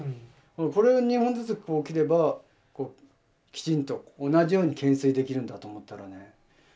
これを２本ずつ切ればきちんと同じように懸垂できるんだと思ったらね